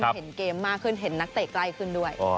เห็นเกมมากขึ้นเห็นนักเตะใกล้ขึ้นด้วย